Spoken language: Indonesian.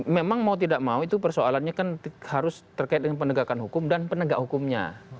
memang mau tidak mau itu persoalannya kan harus terkait dengan penegakan hukum dan penegak hukumnya